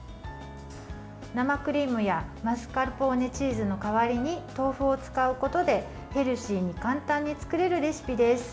生クリームやマスカルポーネチーズの代わりに豆腐を使うことで、ヘルシーに簡単に作れるレシピです。